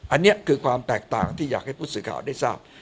อันนี้คือความแตกต่างที่อยากให้ผู้สื่อข่าวได้ทราบ